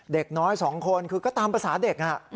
เด็กน้อย๒คนคือก็ตามภาษาเด็ก